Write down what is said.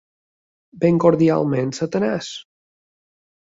Ben cordialment, satanàs.